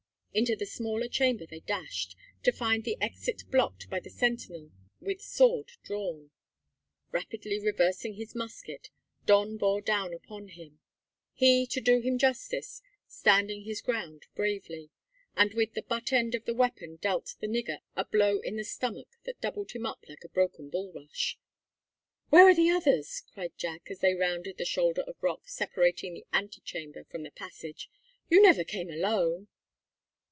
Into the smaller chamber they dashed, to find the exit blocked by the sentinel with sword drawn. Rapidly reversing his musket, Don bore down upon him he, to do him justice, standing his ground bravely, and with the butt end of the weapon dealt the nigger a blow in the stomach that doubled him up like a broken bulrush. "Where are the others?" cried Jack, as they rounded the shoulder of rock separating the antechamber from the passage. "You never came alone!"